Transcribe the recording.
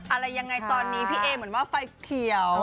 อะไรยังไงตอนนี้พี่เอเหมือนว่าไฟเขียว